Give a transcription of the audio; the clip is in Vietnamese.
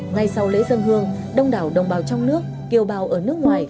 ngay sau lễ dân hương đông đảo đồng bào trong nước kiều bào ở nước ngoài